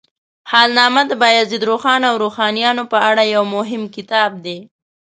حالنامه د بایزید روښان او روښانیانو په اړه یو مهم کتاب دی.